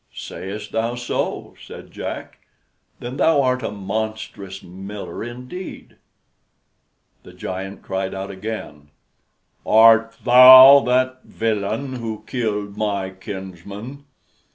"Say'st thou so," said Jack; "then thou art a monstrous miller indeed." The giant cried out again, "Art thou that villain who killed my kinsmen?